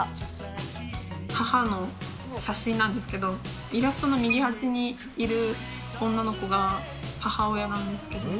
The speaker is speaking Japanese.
母の写真なんですけど、イラストの右端にいる女の子が母親なんですけど。